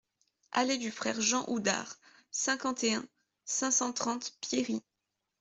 Allée du Frère Jean Oudart, cinquante et un, cinq cent trente Pierry